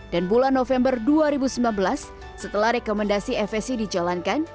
dan bulan november dua ribu sembilan belas setelah rekomendasi fsc dijalankan